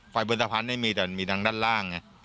ไฟบนตรภัณฑ์ไม่มีแต่มีดังด้านล่างไง